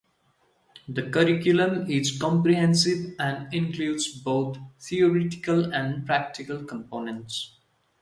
The curriculum is comprehensive and includes both theoretical and practical components.